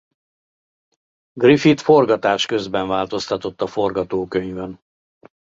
Griffith forgatás közben változtatott a forgatókönyvön.